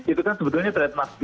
itu kan sebenarnya trademark